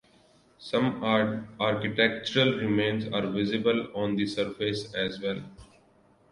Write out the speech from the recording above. Some architectural remains are visible on the surface as well.